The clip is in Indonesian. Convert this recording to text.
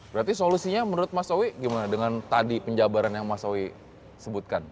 berarti solusinya menurut mas sawi gimana dengan tadi penjabaran yang mas sawi sebutkan